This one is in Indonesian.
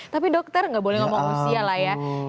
tapi dokter nggak boleh ngomong usia lah ya